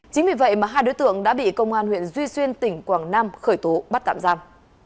chính vì vậy mà hai đối tượng đã bị công an huyện duy xuyên tỉnh quảng nam khởi tố bắt tạm giam